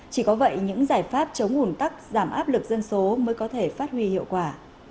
chỉ có vậy những giải pháp chống ủn tắc giảm áp lực dân số mới có thể phát huy hiệu quả